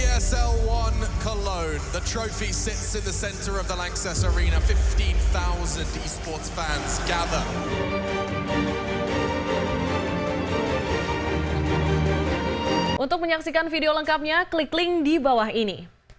esl one cologne trofi yang berada di tengah tengah arena lanxess lima belas fans esports yang bergabung